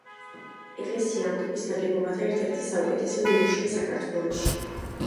ეკლესია ამ ტიპის ნაგებობათა ერთ-ერთი საუკეთესო ნიმუშია საქართველოში.